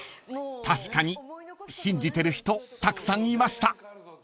［確かに信じてる人たくさんいました］